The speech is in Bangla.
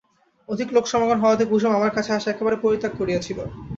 অধিক লোকসমাগম হওয়াতে কুসুম আমার কাছে আসা একেবারে পরিত্যাগ করিয়াছিল।